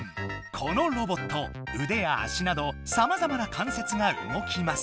このロボットうでや足などさまざまな関節が動きます